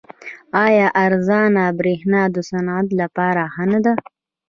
آیا ارزانه بریښنا د صنعت لپاره ښه نه ده؟